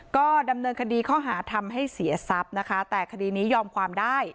ก็ดำเนินคดีข้อหาทำให้เสียทรัพย์นะคะแต่คดีนี้ยอมความได้